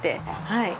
はい。